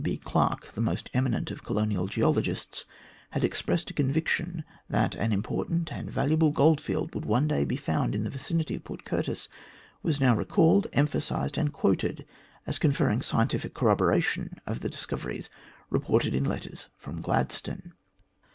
W. B. Clarke, the most eminent of colonial geologists, had expressed a conviction that an im portant and valuable goldfield would one day be found in the vicinity of Port Curtis, was now recalled, emphasised, and quoted as conferring scientific corroboration of the discoveries reported in the letters from Gladstone.